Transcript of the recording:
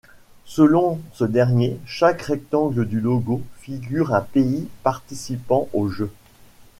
Selon ce dernier, chaque rectangle du logo figure un pays participant aux Jeux.